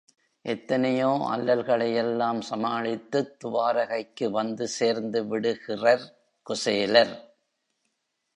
எத்தனையோ அல்லல்களையெல்லாம் சமாளித்துத் துவாரகைக்கு வந்து சேர்ந்து விடுகிறர் குசேலர்.